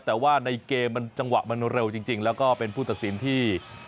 แต่ว่าในเกมมันจังหวะมันเร็วจริงแล้วก็เป็นผู้ตัดสินที่